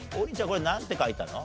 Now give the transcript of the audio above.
これなんて書いたの？